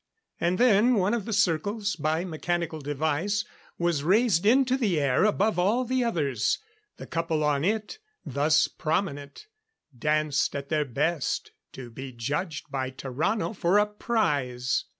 And then one of the circles, by mechanical device, was raised into the air above all the others. The couple on it, thus prominent, danced at their best, to be judged by Tarrano for a prize.